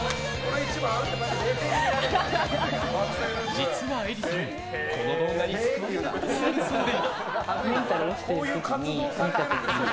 実は愛里さん、この動画に救われたことがあるそうで。